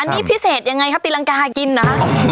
อันนี้พิเศษยังไงครับตีรังกากินนะ